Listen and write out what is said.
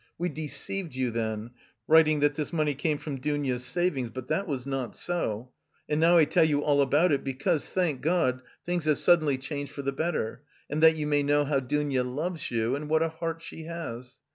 We deceived you then, writing that this money came from Dounia's savings, but that was not so, and now I tell you all about it, because, thank God, things have suddenly changed for the better, and that you may know how Dounia loves you and what a heart she has.